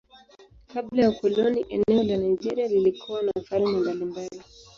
Kabla ya ukoloni eneo la Nigeria lilikuwa na falme mbalimbali.